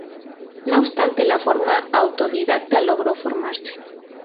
No obstante, de forma autodidacta logró formarse.